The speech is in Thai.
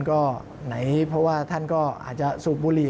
ก็ไหนเพราะว่าท่านก็อาจจะสูบบุหรี่